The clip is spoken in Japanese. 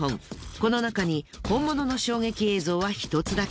このなかに本物の衝撃映像は１つだけ。